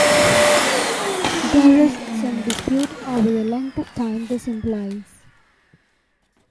There is some dispute over the length of time this implies.